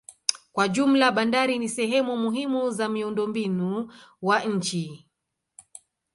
Kwa jumla bandari ni sehemu muhimu za miundombinu wa nchi.